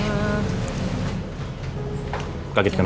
ya aku kan belum ngomong